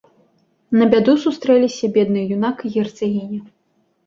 На бяду сустрэліся бедны юнак і герцагіня.